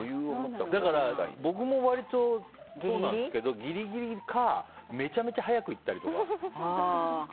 だから僕も割とそうなんですけどギリギリかめちゃめちゃ早く行ったりとか。